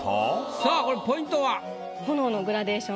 さあこれポイントは？